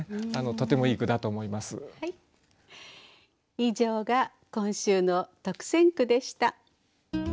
以上が今週の特選句でした。